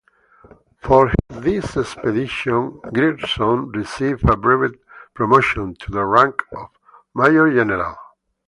For this expedition Grierson received a brevet promotion to the rank of major general.